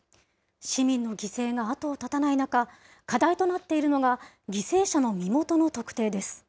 市民の犠牲があとを絶たない中、課題となっているのが、犠牲者の身元の特定です。